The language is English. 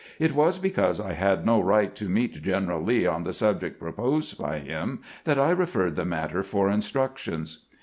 It was because I had no right to meet General Lee on the subject proposed by him that I referred the matter for instructions."